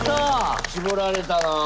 絞られたな。